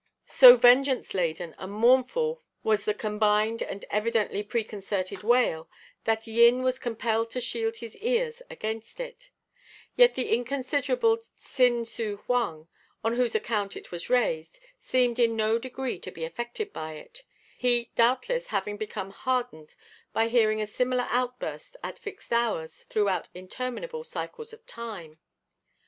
So vengeance laden and mournful was the combined and evidently preconcerted wail, that Yin was compelled to shield his ears against it; yet the inconsiderable Tsin Su Hoang, on whose account it was raised, seemed in no degree to be affected by it, he, doubtless, having become hardened by hearing a similar outburst, at fixed hours, throughout interminable cycles of time.